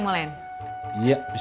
mau beli tas pi